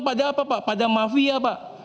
pada apa pak pada mafia pak